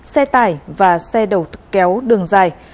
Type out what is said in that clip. xe tải và xe đầu kéo đường dài